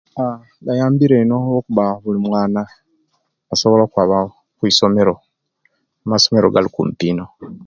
Aa oyambira ino olwokuba olimwana osobola okwaba kwisomero amasomero gali kupi ino.